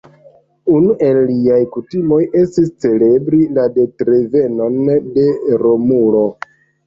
Unu el iliaj kutimoj estis celebri la datrevenon de Romulo.